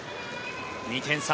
２点差。